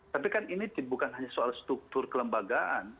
tapi kan ini bukan hanya soal struktur kelembagaan